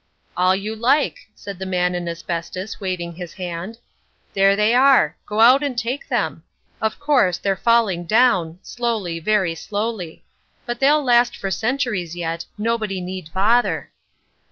"All you like," said the Man in Asbestos, waving his hand. "There they are. Go out and take them. Of course, they're falling down— slowly, very slowly. But they'll last for centuries yet, nobody need bother."